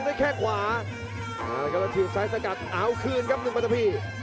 แล้วก็รอชิบชายสกัดอ๋าวคืนครับหนึ่งประถ้าพี่